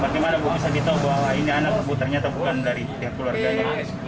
bagaimana gue bisa ditolong bahwa ini anak anak puternya atau bukan dari keluarganya